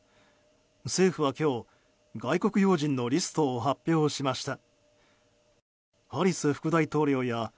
政府は今日、外国要人のリストを発表しました。